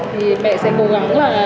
thì mẹ sẽ cố gắng là